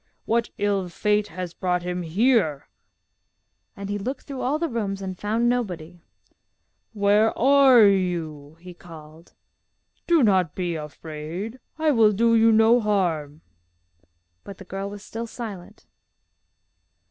What ill fate has brought him here?' And he looked through all the rooms, and found nobody. 'Where are you?' he called. 'Do not be afraid, I will do you no harm.' But the girl was still silent.